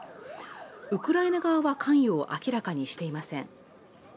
ウクライナ側は関与を明らかにしていません。